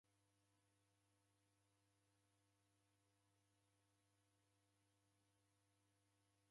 Idime marundu ghafunika iruw'a